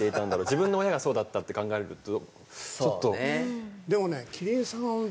自分の親がそうだって考えると。